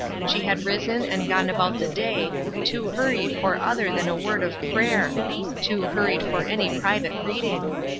She had risen and gone about the day, too hurried for other than a word of prayer — too hurried for any private reading.